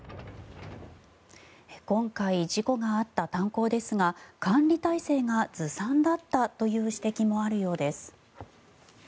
今回、事故があった炭鉱ですが管理体制がずさんだったという指摘もあるようです。